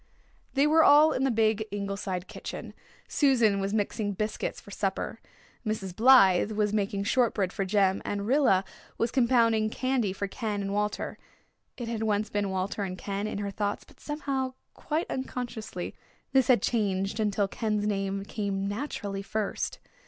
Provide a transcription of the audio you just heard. They were all in the big Ingleside kitchen. Susan was mixing biscuits for supper. Mrs. Blythe was making shortbread for Jem, and Rilla was compounding candy for Ken and Walter it had once been "Walter and Ken" in her thoughts but somehow, quite unconsciously, this had changed until Ken's name came naturally first.